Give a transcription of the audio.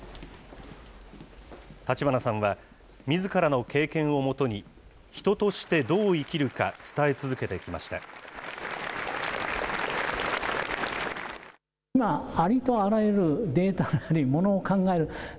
立花さんは、みずからの経験をもとに、人としてどう生きるか、伝え続けてきました。